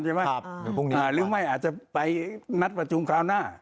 หรือไม่อาจจะไปนัดประชุมคราวหน้า